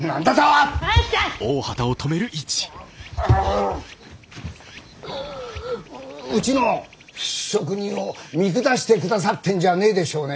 ううちの職人を見下してくださってんじゃねえでしょうね？